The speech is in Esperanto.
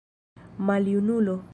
maljunulo